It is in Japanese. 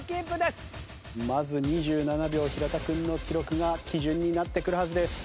まず２７秒平田君の記録が基準になってくるはずです。